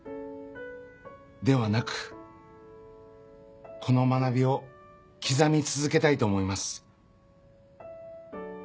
ではなくこの学びを刻み続けたいと思います。